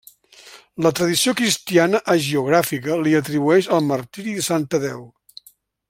La tradició cristiana hagiogràfica li atribueix el martiri de sant Tadeu.